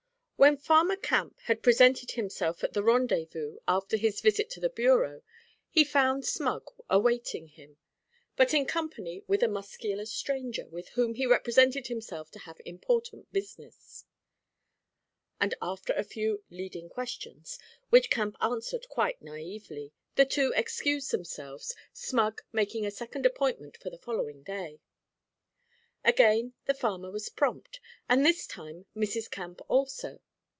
When Farmer Camp had presented himself at the rendezvous after his visit to the bureau, he had found Smug awaiting him, but in company with a muscular stranger, with whom he represented himself to have important business; and after a few 'leading questions,' which Camp answered quite naively, the two excused themselves, Smug making a second appointment for the following day. Again the farmer was prompt, and this time Mrs. Camp also.